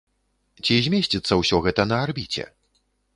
Ці змесціцца ўсё гэта на арбіце?